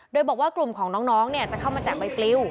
โดยบอกว่ากลุ่มของน้องจะเข้ามาแจกใบปลิว